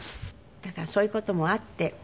だからそういう事もあって